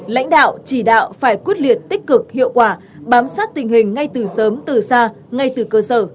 lãnh đạo chỉ đạo phải quyết liệt tích cực hiệu quả bám sát tình hình ngay từ sớm từ xa ngay từ cơ sở